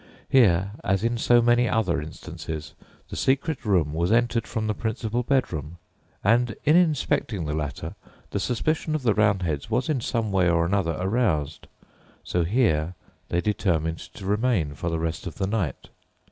Here, as in so many other instances, the secret room was entered from the principal bedroom, and in inspecting the latter the suspicion of the Roundheads was in some way or another aroused, so here they determined to remain for the rest of the night.